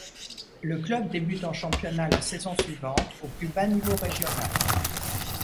Le club débute en championnat la saison suivante au plus bas niveau régional.